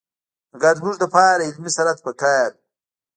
مګر زموږ لپاره علمي سرحد په کار وو.